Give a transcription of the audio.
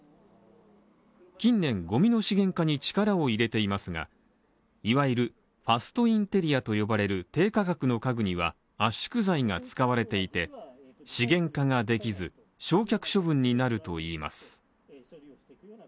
近年ゴミの資源化に力を入れていますが、いわゆるファストインテリアと呼ばれる低価格の家具には圧縮材が使われていて、資源化ができず、焼却処分になるといいます